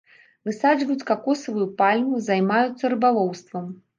Высаджваюць какосавую пальму, займаюцца рыбалоўствам.